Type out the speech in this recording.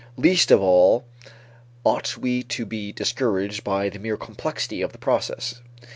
Least of all ought we to be discouraged by the mere complexity of the process.